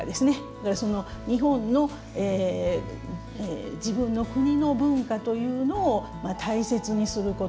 だから日本の自分の国の文化というのを大切にすること。